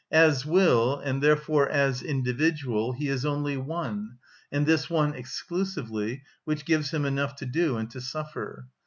As will, and therefore as individual, he is only one, and this one exclusively, which gives him enough to do and to suffer.